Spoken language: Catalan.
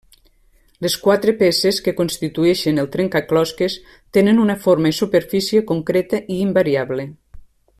Les quatre peces que constitueixen el trencaclosques tenen una forma i superfície concreta i invariable.